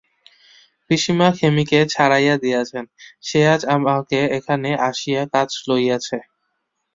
পিসিমা খেমিকে ছাড়াইয়া দিয়াছেন, সে আজ আমার এখানে আসিয়া কাজ লইয়াছে।